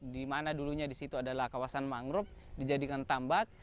dimana dulunya di situ adalah kawasan mangguruf dijadikan tambak